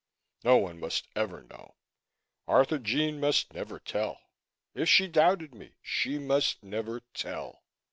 No one must ever know; Arthurjean must never tell. If she doubted me, she must never tell.